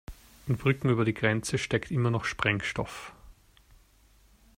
In Brücken über die Grenze steckt immer noch Sprengstoff.